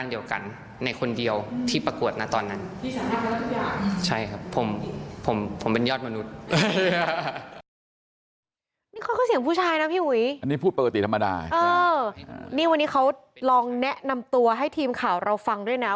นี่วันนี้เขาลองแนะนำตัวให้ทีมข่าวเราฟังด้วยนะ